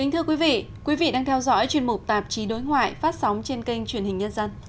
thưa quý vị quý vị đang theo dõi chuyên mục tạp chí đối ngoại phát sóng trên kênh truyền hình nhân dân